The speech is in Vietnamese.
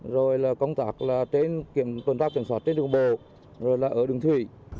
rồi là công tác kiểm soát trên đường bồ rồi là ở đường thủy